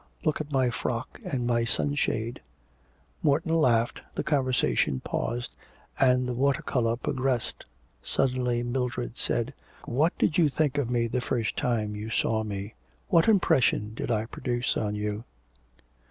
Look at my frock and my sunshade.' Morton laughed, the conversation paused, and the water colour progressed. Suddenly Mildred said: 'What did you think of me the first time you saw me? What impression did I produce on you?'